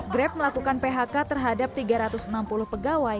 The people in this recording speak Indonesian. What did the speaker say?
grab melakukan phk terhadap tiga ratus enam puluh pegawai